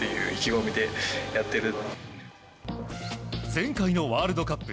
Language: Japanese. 前回のワールドカップ。